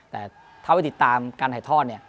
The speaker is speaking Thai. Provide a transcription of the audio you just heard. แต่ถ้าไปติดตามการถ่ายทอด